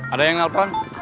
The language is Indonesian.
ada yang nelfon